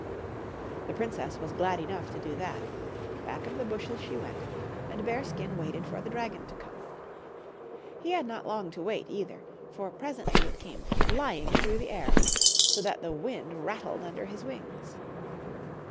The princess was glad enough to do that. Back of the bushes she went and Bearskin waited for the dragon to come. He had not long to wai/ either ; for presently it came flying through the air, so that the wind rattled under his wings.